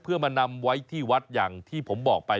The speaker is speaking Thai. เพื่อมานำไว้ที่วัดอย่างที่ผมบอกไป